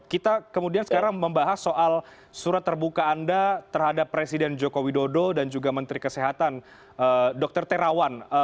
kita kemudian sekarang membahas soal surat terbuka anda terhadap presiden joko widodo dan juga menteri kesehatan dr terawan